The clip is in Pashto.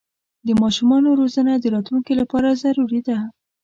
د ماشومانو روزنه د راتلونکي لپاره ضروري ده.